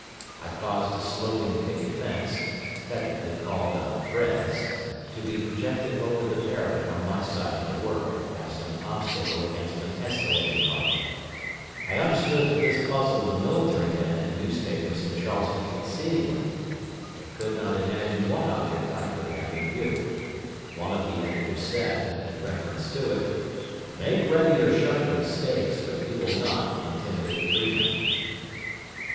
I caused a sloping picket fence, technically called a fraise, to be projected over the parapet on my side of the work, as an obstacle against an escalading party. I understood that this puzzled the military men and newspapers in Charleston exceedingly. They could not imagine what object I could have in view. One of the editors said, in reference to it, "Make ready your sharpened stakes, but you will not intimidate freemen."